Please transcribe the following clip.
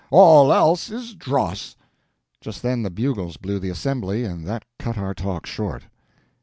All else is dross." Just then the bugles blew the assembly, and that cut our talk short.